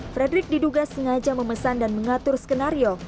frederick diduga sengaja memesan dan mengatur skenario